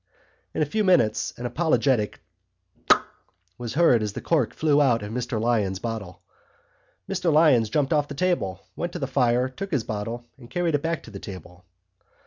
In a few minutes an apologetic "Pok!" was heard as the cork flew out of Mr Lyons' bottle. Mr Lyons jumped off the table, went to the fire, took his bottle and carried it back to the table.